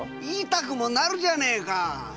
言いたくもなるじゃねえか！